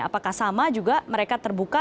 apakah sama juga mereka terbuka